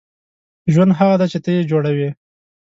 • ژوند هغه دی چې ته یې جوړوې.